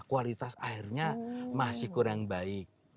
kualitas airnya masih kurang baik